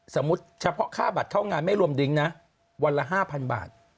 สมมุติเฉพาะค่าบัตรเข้างานไม่รวมดิ้งนะวันละ๕๐๐บาท